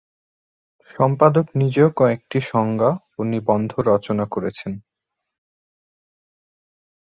সম্পাদক নিজেও কয়েকটি সংজ্ঞা ও নিবন্ধ রচনা করেছেন।